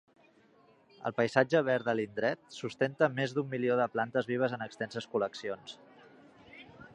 El paisatge verd de l'indret, sustenta més d'un milió de plantes vives en extenses col·leccions.